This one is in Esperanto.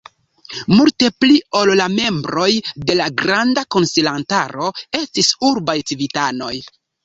Multe pli ol la membroj de la granda konsilantaro estis urbaj civitanoj.